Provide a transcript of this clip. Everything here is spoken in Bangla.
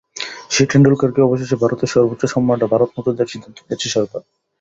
সেই টেন্ডুলকারকে অবশেষে ভারতের সর্বোচ্চ সম্মাননা ভারতরত্ন দেওয়ার সিদ্ধান্ত নিয়েছে সরকার।